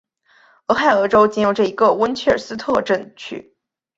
俄亥俄州仅有这一个温彻斯特镇区。